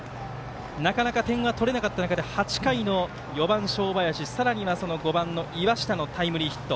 なかなか点が取れなかった中で８回の４番、正林さらには、５番の岩下のタイムリーヒット。